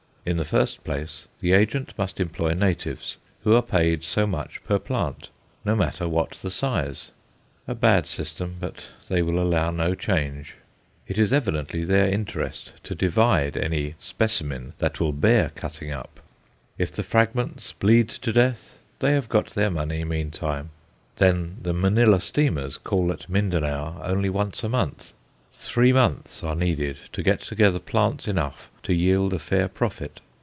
In the first place, the agent must employ natives, who are paid so much per plant, no matter what the size a bad system, but they will allow no change. It is evidently their interest to divide any "specimen" that will bear cutting up; if the fragments bleed to death, they have got their money meantime. Then, the Manilla steamers call at Mindanao only once a month. Three months are needed to get together plants enough to yield a fair profit.